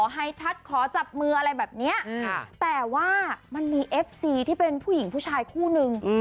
ไฮทัดขอจับมืออะไรแบบนี้แต่ว่ามันมีเอฟซีที่เป็นผู้หญิงผู้ชายคู่นึง